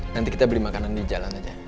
nanti kita beli makanan di jalan aja